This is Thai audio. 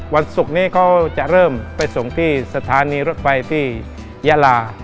วันศุกร์นี้เขาจะเริ่มไปส่งที่สถานีรถไฟที่ยาลา